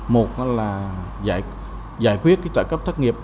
một là giải quyết trợ cấp thất nghiệp